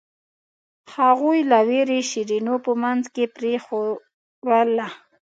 هغوی له وېرې شیرینو په منځ کې پرېښووله.